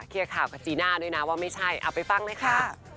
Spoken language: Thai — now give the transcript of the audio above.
เคลียร์ข่าวกับจีน่าด้วยนะว่าไม่ใช่เอาไปฟังด้วยค่ะ